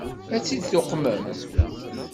Ad tt-id-tuqmem?